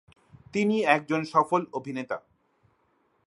তিনি একজন সফল অভিনেতা।